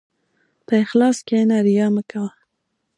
په اخلاص کښېنه، ریا مه کوه.